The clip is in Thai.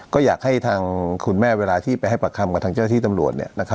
ก็อยากให้ทางคุณแม่เวลาที่ไปให้ปากคำกับทางเจ้าที่ตำรวจ